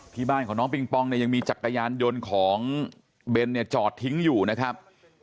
ที่บ้านของน้องปิงปองเนี่ยยังมีจักรยานยนต์ของเบนเนี่ยจอดทิ้งอยู่นะครับ